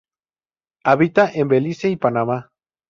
Habita en Belice y Panamá.